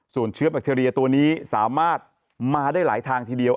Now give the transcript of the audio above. ส่วนเชื้อแบคทีเรียตัวนี้สามารถมาได้หลายทางทีเดียว